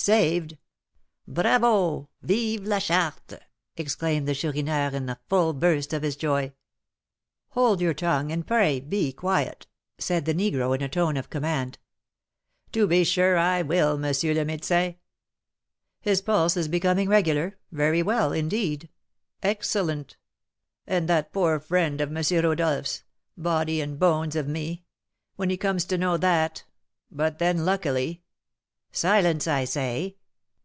"Saved? Bravo! Vive la Charte!" exclaimed the Chourineur, in the full burst of his joy. "Hold your tongue! and pray be quiet!" said the negro, in a tone of command. "To be sure I will, M. le Médécin." "His pulse is becoming regular very well, indeed excellent " "And that poor friend of M. Rodolph's, body and bones of me! when he comes to know that But, then, luckily " "Silence! I say."